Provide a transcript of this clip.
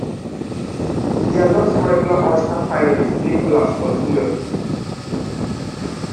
They are not regular oyster pirates, Nicholas continued.